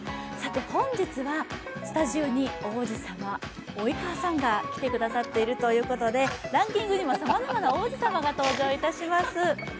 本日はスタジオに王子様、及川さんが来てくださっているということでランキングにも、さまざまな王子様が登場いたします。